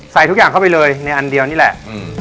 ใส่ทุกอย่างเข้าไปเลยในอันเดียวนี่แหละ